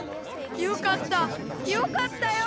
よかったよかったよ。